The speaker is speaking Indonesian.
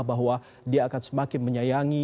bahwa dia akan semakin menyayangi